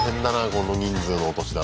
この人数のお年玉。